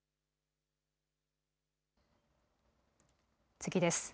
次です。